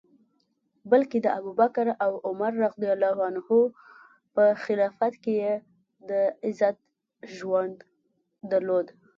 بلکه د ابوبکر او عمر رض په خلافت کي یې د عزت ژوند درلود.